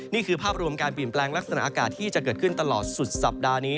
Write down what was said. นี่คือภาพรวมการเปลี่ยนแปลงลักษณะอากาศที่จะเกิดขึ้นตลอดสุดสัปดาห์นี้